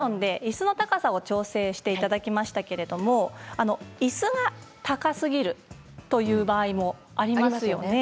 今、大沢さんにはクッションでいすの高さを調整していただきましたけれどいすが高すぎるという場合もありますよね。